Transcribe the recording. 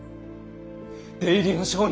出入りの商人に。